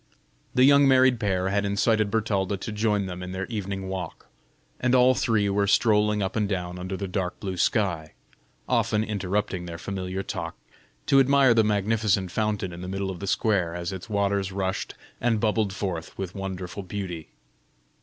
The young married pair had incited Bertalda to join them in their evening walk, and all three were strolling up and down under the dark blue sky, often interrupting their familiar talk to admire the magnificent fountain in the middle of the square, as its waters rushed and bubbled forth with wonderful beauty.